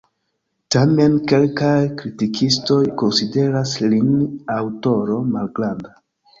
Tamen kelkaj kritikistoj konsideras lin aŭtoro malgranda.